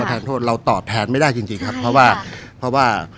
แทนโทษเราตอบแทนไม่ได้จริงจริงครับเพราะว่าเพราะว่า